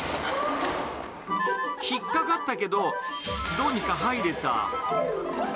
引っ掛かったけど、どうにか入れた。